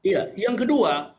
ya yang kedua